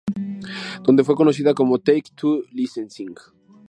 Donde fue conocida como "Take-Two Licensing".